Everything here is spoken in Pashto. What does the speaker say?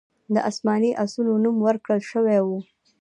د اسماني آسونو نوم ورکړل شوی و